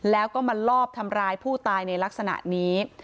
แล้วก็มาลอบทำร้ายผู้ตายในลักษณะนี้